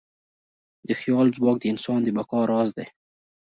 د خیال ځواک د انسان د بقا راز دی.